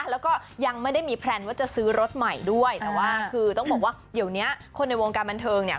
แล้วก็ยังไม่ได้มีแพลนว่าจะซื้อรถใหม่ด้วยแต่ว่าคือต้องบอกว่าเดี๋ยวเนี้ยคนในวงการบันเทิงเนี่ย